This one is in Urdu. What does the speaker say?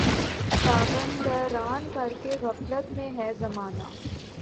پابند اڑان کر کے غفلت میں ہے زمانہ